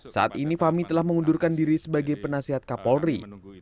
saat ini fahmi telah mengundurkan diri sebagai penasihat kapolri